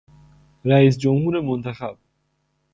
رییس جمهور منتخب